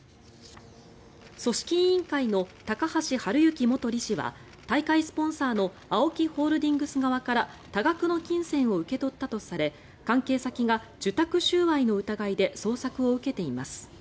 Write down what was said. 組織委員会の高橋治之元理事は大会スポンサーのＡＯＫＩホールディングス側から多額の金銭を受け取ったとされ関係先が受託収賄の疑いで捜索を受けています。